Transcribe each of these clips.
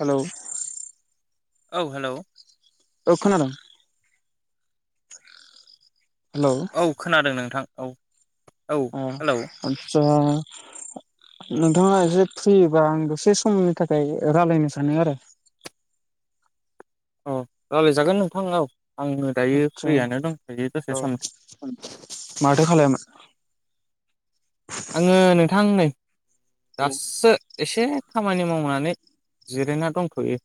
Hello. औ hello. औ खोनादों। हेलौ औ खोनादों नोंथां औ। औ अ हेलौ आतसा। नोंथाङा एसे फ्रिबा आं दसे समनि थाखाय रायलायनो सानो आरो। अ रायलायजागोन नोंथां औ। आङो दायो आदसा फ्रियानो दंथयो औ दसे सम माथो खालायामोन आङो नोंथां नै दासो एसे खामानि मावनानै। जिरायना दंथ'यो।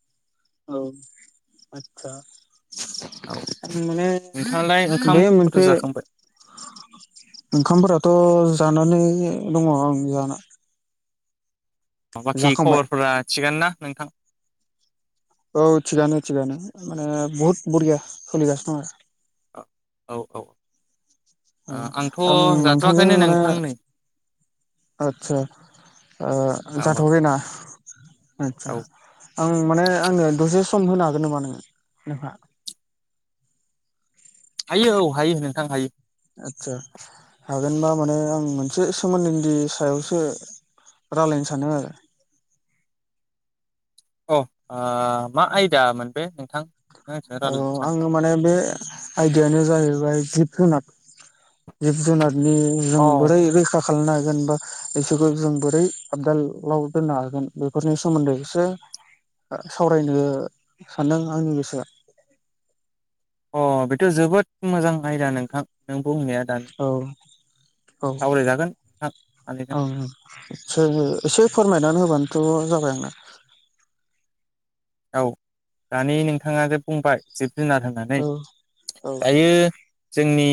औ आतसा माने नाय बे ओखाम फोरथ' मोनसे जाखांबाय। ओंखामफोराथ' जानानै दङ आं जाना। बाखि जाखांबाय खबरफोरा थिगानो ना नोंथां? औ थिगानो थिगानो माने बहुत बरिया सलिगासिनो दं आरो। औ-औ। ओ आं नोंथांजों माने नोंथां नै आतसा आ औ औ जाथ'वाखै ना? आतचा औ आं माने आङो दसे स सम होनो हागोन नामा नोङो नोंहा? हायो औ हायो नोंथां हायो आतचा हागोनबा माने आं मोनसे सोमोन्दोनि सायावसो रालायनो सानो आं अ ओ मा आयदा मोन बे नोंथां नों आंजों औ रायलायनो औ साननाया आङो माने बे आयदायानो जाहैबाय जिब जुनाद। जिब जुनारनि जों अ बोरै रैखा खालायनो हागोन बा बिसोरखौ जों बोरै आपदालाव दोननो हागोन बेफोरनि सोमोन्दै एसे ओ सावरायनो सानदों आंनि गोसोआ ओ बेथ' जोबोद मोजां आयदा नोंथां नों बुंनाया दान औ सानैजों औ उम एसे फोरमायनानै होबानो थ' जाबाय आंना औ दानि नोंथांआ जे बुंबाय जिब जुनार होनानै औ औ दायो जोंनि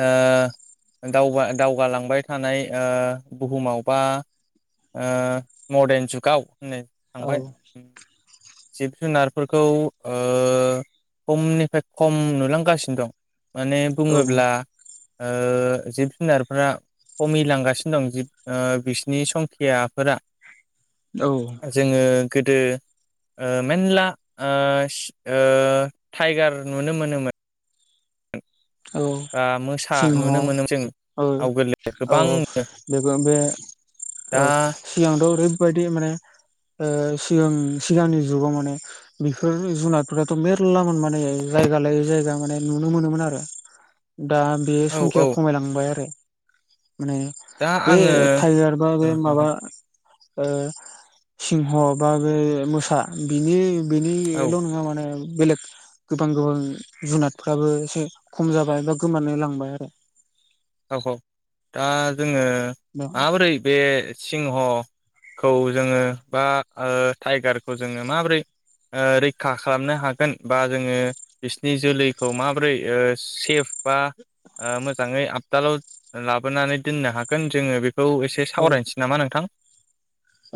ओ दावगालांबाय थानाय ओ बुहुमाव बा ओ मदेर्न जुगाव होननाय औ थांबाय जिब जुनारफोरखौ ओ खमनिफ्राय खम नुलांगासिनो दं माने बुङोब्ला औ ओ जिब जुनारफ्रा खमिलांगासिनो दं जिब ओ बिसिनि संखियाफोरा औ जोङो गोदो ओ मेनल्ला ओ-ओ थाइगार नुनो मोनोमोन। औ बा मोसा नुनो मोनोमोन जों आवगोलो गोबां औ-औ-औ बेबो बे दा औ सिगांथ ओरै बेफोरबायदि माने ओ सिगां-सिगांनि जुगाव माने बेफोर जुनारफोराथ' मेरलामोन माने। जायगा लायै जायगा माने नुनो मोनोमोन आरो दा बे औ औ संखिया खमायलांबाय आरो माने दा बे आङो टाइगार बा बे औ माबा औ ओ सिंह बा बे मोसा बिनि बिनिल' नङा माने बेलेग गोबां-गोबां जुनादफ्राबो एसे खम जाबाय बा गोमानो लांबाय आरो औ औ दा जोङो दा माबोरै बे सिंह खौ जोङो बा ओ थाइगारखौ जोङो माबोरै ओ रैखा खालामनो हागोन बा जोङो बिसिनि जोलैखौ ओ माबोरै सेफ बा ओ मोजाङै आ हटालाव लाबोनानै दोननो हागोन जोङो बेखौ एसे औ सावरायनोसै नामा नोंथां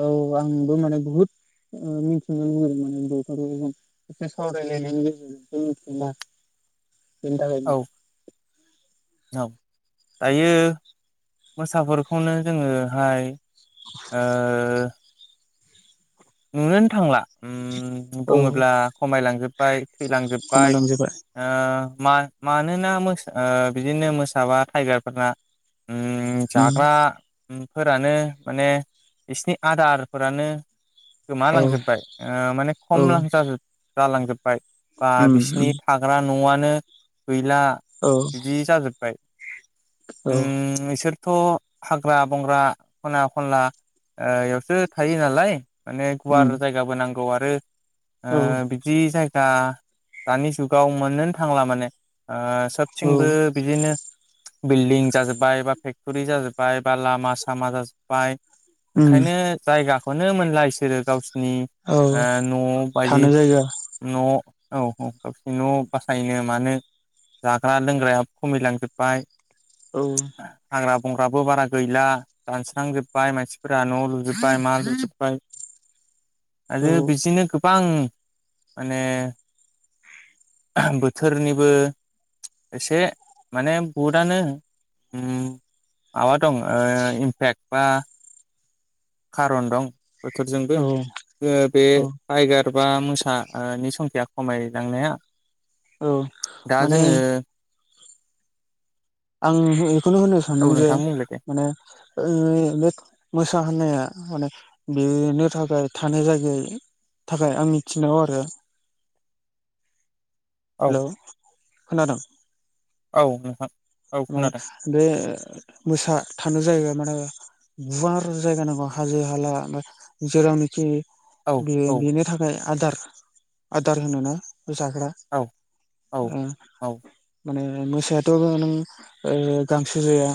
औ आंबो मानि बुहुत ओ मिथिनो लुबोयोमोन बेफोरखौ जों एसे सावराय लायनायनि गेजेरजोंसो मिथियोना औ [unintelligible] औ दायो मोसाफोरखौनो जोङो हाय ओ नुनोनो थांला उम औ बुङोब्ला खमायलां जोबबाय थैलां जोबबाय खमायलांजोबबाय ओ मा मानोना ओ बिदिनो मोसाबा टाइगारफोरा उम जाग्रा फोरानो माने बिसिनि आदारफोरानो औ गोमालांजोबबाय ओ माने औ खमलां जालांजोबबाय। बा उम उम बिसिनि थाग्रा न'आनो गैला औ बिदि जाजोबबाय। उम इसोर थ' हाग्रा बंग्रा खना खनला एयावसो थायो नालाय माने उम गुवार जायगाबो नांगौ आरो औ ओ बिदि जाय गा दानि जुगाव मोननोनो थांला माने। ओ औ सोबथिंबो बिदिनो बिल्डिं जाजोब्बाय बा फेक्ट'रि जाजोब्बाय बा लामा सामा जाजोब्बाय। उम ओंखायनो जायगाखौनो मोनला इसोरो गावसो नि औ ओ न' बादि थानो जायगा न औ औ औ न' बासायनो मानो जाग्रा लोंग्राया खमि लांजोब्बाय। औ हाग्रा बंग्राबो बारा गैला दानस्रांजोबबाय मानसिफोरा न' लुजोबबाय मा लुजोबबाय। औ आरो बिदिनो गोबां माने बोथोरनिबो एसे माने भहुदानो उम माबा दं ओ इमपेक्ट बा खारन दं बोथोरजोंबो औ ओ बे औ टाइगार सोरबा मोसानि संखिया खमायलांनाया। औ दा माने जोङो आं बेखौनो होनो औ सानदों जे नोंथां बुंलाय दे माने लेख मोसा होननाया माने बेनो थाखाय थानो जायगायै थाखाय आं मिथिनायाव आरो औ हेल' खोनादों? औ नोंथां। औ म खोनादों बे मोसा थानो जायगा माने गुवार जायगा नांगौ हाजो हाला जेरावनोखि औ बे औ बेनो थाखाय आदार आदार होनोना जाग्रा औ औ माने मोसायाथ' नों ओ गांसो जाया।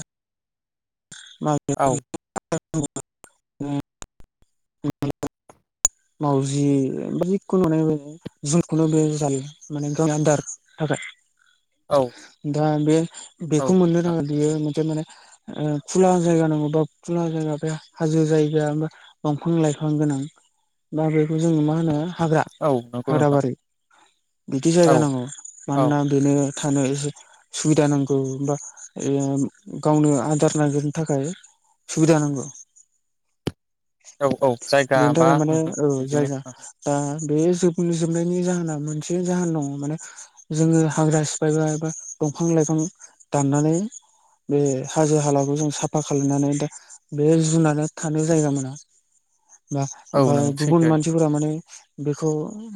औ [inaudible] मावजि जिखुनु माने [inaudible] माने गावनि आदार थाखा औ दा बे औ बेखौ मोननो नोंथां नाङा बेयो मोनसे माने ओ खुला जायगा नांगौ बा खुला जायगा बे हाजो जायगा दंफां लाइफां दा बेखौ जों मा होनो हाग्रा औ नंगौ हाग्रा नोंथां बारि बिदि औ जायगा नांगौ औ मानोना बेनो थानो एसे सुबिदा नांगौबा गावनो आदार नागिरनो थाखाय सुबिदा नांगौ औ औ जायगा बेनि बा थाखाय माने हम हम औ जायगा दा बे जोब जोबनायनि जाहोना मोनसे जाहोन दंङ माने जोङो हाग्रा सिफायबाय बा दंफां लाइफां दाननानै बे हाजो हालाखौ जों साफा खालामनानै दा बे जुनारा थानो जायगा मोना बा औ ओमफाय नों गुबुन सैथो मानसिफोरा माने बेखौ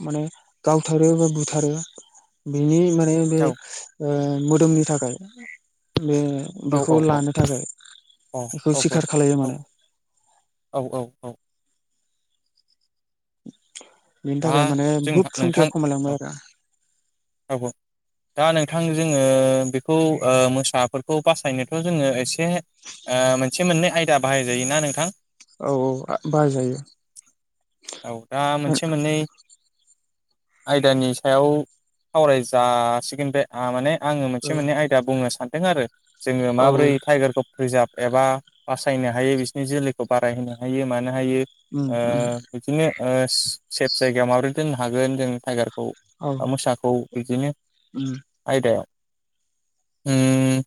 माने गावथारो बा बुथारो बेनि मा बे बे औ ओ मोदोमनि थाखाय बे औ बेखौ औ औ लानो थाखाय औ बेखौ औ सिखार खालायो माने औ औ औ बेनि दा थाखाय माने जों बहुत संखिया खमायलांबाय आरो औ-औ दा नोंथां जोङो बेखौ मोसाफोरखौ बासायनोथ' जोङो एसे मोनसे मोननै आयदा बाहायजायोना नोंथां? औ-औ बाहाय जायो। औ दा मोनसे मोननै आयदानि सायाव सावराय जासिगोन बे आ माने आंङो मोनसे मोननै आयदा बुंनो सानदों आरो जोङो औ माबोरै टाइगारखौ प्रिजार्भ एबा बासायनो हायो बिसोरनि जोलैखौ बारायहोनो हायो मानो हायो उम उम ओ बिदिनो सेफ जायगायाव माबोरै दोननो हागोन जों टाइगार खौ औ बा मोसाखौ बिदिनो उम आयदायाव ओम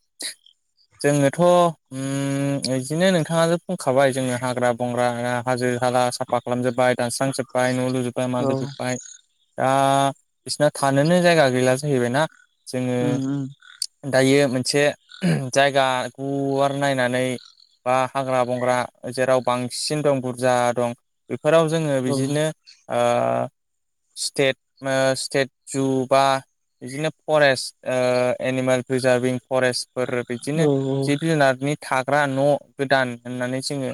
जोङोथ' ओम इदिनो नोंथाङा बुंखाबाय जोङो हाग्रा बंग्रा आरा हाजो हाला साफा जोब्बाय दांनस्रां जोब्बाय न'लुजोबबाय मा औ लुजोबबाय दा बिसोना थानोनो जायगा गैला जाहैबायना जोङो उम उम दायो मोन मोनसे जायगा गुवार नायनानै बा हाग्रा बंग्रा जेराव बांसिन दं बुरजा दं बेफोराव जोङो औ बिदिनो आ स्टेट स्टेट जुबा बिदिनो फरेस्ट एनिमेल प्रिजारभिं फरेस्ट औ [unintelligible] थाग्रा न' गोदान होननानै जोङो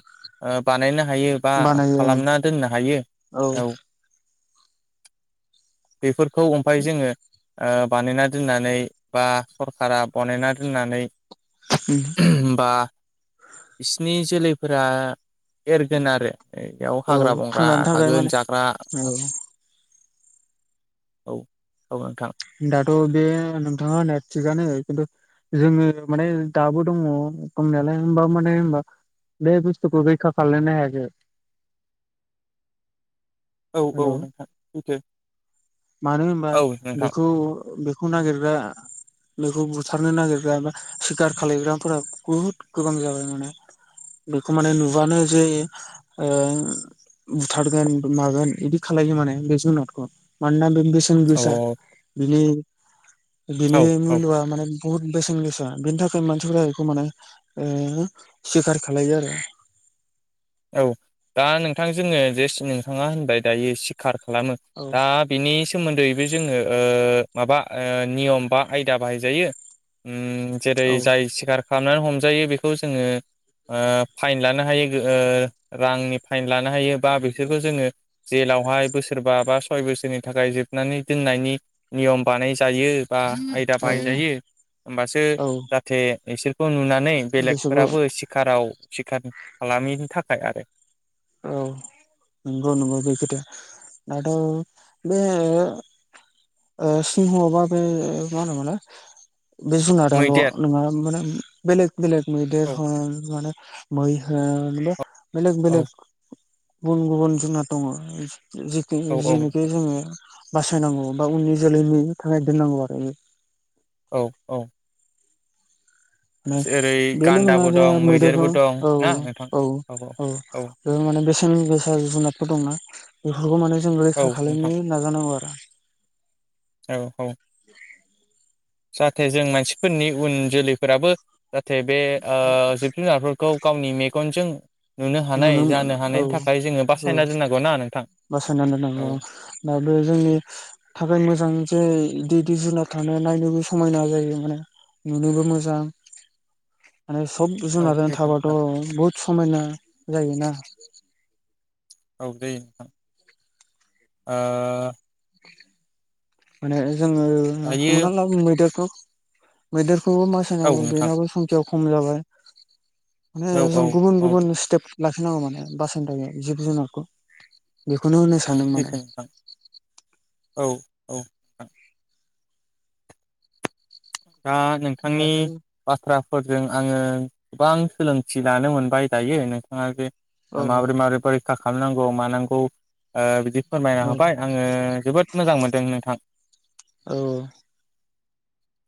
बानायनो हायो बा बानायो औ उम खालामना दोननो हायो औ [inaudible] बेफोरखौ ओमफाय जोङो ओ बानायना दोननानै बा सरखारा बनायना दोननानै बा बिसिनि जोलैफोरा एरगोन आरो बेयाव औ हाग्रा बंग्रा थांनानै थाखाय थागोन माने जाग्रा औ औ-औ नोंथां। दाथ' बे नोंथाङा होननाया थिगानो खिन्थु जोङो माने दाबो दङ दंनायालाय होनबाबो माने होनबा बे बुस्थुखौ रैखा खालायनो हायाखै औ-औ हेलौ नोंथां सैथो। मानो होनबा औ नोंथां बेखौ बेखौ नागिरग्रा बेखौ बुथारनो नागिरग्रा बा सिखार खालायग्राफोरा बुहुद गोबां जाबाय माने। बेखौ माने नुबानो जै ओ बुथारगोन मागोन बिदि खालायो माने बे जुनारखौ मानोना बेसेन गोसा औ बिनि बिनि औ औ मइल'आ माने बुहुत बेसेन गोसा बेनि थाखाय मानसिफोरा बेखौ माने सिखार खालायो आरो [inaudible] औ दा नोंथां जोङो जेसे नोंथाङा होनबाय दायो सिखार खालामो दा बिनि सोमोन्दैबो जोङो ओ माबा ओ नियम बा आयदा बाहायजायो। उम जेरै औ जाय सिखार खालामनानै हमजायो बेखौ जोङो ओ फाइन लानो हायो। ओ रांनि फाइन लानो हायो। बा बिसोरखौ जोङो जेलावहाय बोसोरबा बा सय बोसोरनि थाखाय जोबनानै दोननायनि नियम बानायजायो। बा आयदा औ बाहायजायो होमबासो औ जाहाथे बिसोर खौ नुनानै बेसोरखौ बेलेगफोराबो सिखाराव सिखार खालामैनि थाखाय आरो। औ। नंगौ नंगौ बे खोथाया आंथ' बे ओ सिंह बा बे मा होनोमोनलाय? बे जुनाराल' मैदेर नङा माने बेलेग बेलेग मैदेर औ माने मै होन बा बेलेग औ बेलेग गुबुन गुबुन जुनाद दङ। जिथु औ औ जिहेनेखि नोंथां जोङो बासायनांगौ। बा उननि जोलैनि थाखाय दोननांगौ आरो बे औ औ। जेरै बेल' नङा गान्दाबो जे दं मैदेरखौ मैदेरबो दं औ ना नोंथां औ औ बे माने बेसेन गोसा जुनादफोर दंना बेफोरखौ माने जों औ रैखा नोंथां खालामनो नाजानांगौ आरो। [inaudible] औ औ। जाहाथे जों मानसिफोरनि उन जोलैफोराबो जाहाथे ओ बे जिब जुनारफोरखौ। गावनि मेगनजों नुनो हानाय जानो औ हानायनि थाखाय जोङो औ बासायना दोननांगौना नों बासायनानै दोनांगौ औ दा बे जोंनि थाखाय मोजां जे इदि इदि जुनार थानाया नायनोबो समायना जायो माने नुनोबो मोजां माने सब औ जुनारजों सैथो थाबाथ' नोंथां बुहुद समायना जायोना। औ जायो नोंथां ओ माने जोङो हमना दायो ला मैदेरखौ मैदेर औ [unintelligible] नोंथां बेनाबो संखिया खम जाबाय माने औ औ जों गुबुन औ गुबुन स्टेट लाखिनांगौ माने बासायनो थाखाय जिब जुनारखौ। बेखौनो होनो औ सानदों माने। सैथो नोंथां औ औ नोंथां। दा नोंथांनि दाथ' बाथ्रा। फोरजों आङो गोबां सोलोंथि लानो मोनबाय दायो नोंथाङा बे औ माबोरै माबोरै रैखा खालामनांगौ मानांगौ ओ बिदि फोरमायना औ होबाय आङो जोबोद मोजां मोनदों नोंथां। औ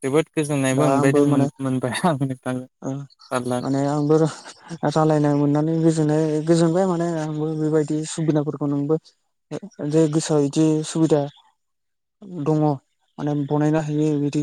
जोबोद गोजोननायबो दा आंबो मोनबायदों माने मोनबाय आं। नोंथांजों ओ रायज्लायना माने आंबो रायलायनायनो मोननानै गोजोननाय गोजोनबाय माने। आंबो बेबायदि सुबिदाफोरखौ नोंबो जे गोसोआव बिदि सुबिदा दङ माने बनायनो हायो बिदि